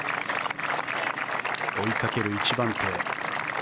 追いかける１番手。